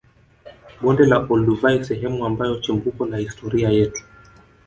Bonde la olduvai sehemu ambayo chimbuko la historia yetu